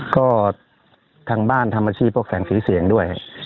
ก็ทางบ้านทำอาชีพพวกแสงสีเสียงด้วย